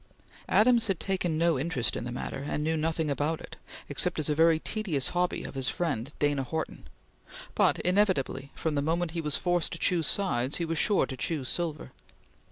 Adams had taken no interest in the matter, and knew nothing about it, except as a very tedious hobby of his friend Dana Horton; but inevitably, from the moment he was forced to choose sides, he was sure to choose silver.